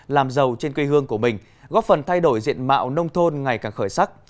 làm giàu trên quê hương của mình góp phần thay đổi diện mạo nông thôn ngày càng khởi sắc